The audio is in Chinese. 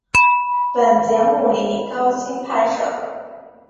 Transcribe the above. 本节目以高清拍摄。